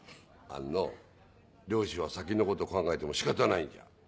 あんの漁師は先のこと考えても仕方ないんじゃ。